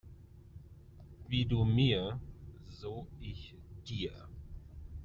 Wie du mir, so ich dir.